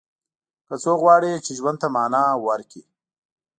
که څوک غواړي چې ژوند ته معنا ورکړي.